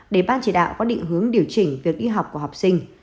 để ban chỉ đạo có định hướng điều chỉnh việc đi học của học sinh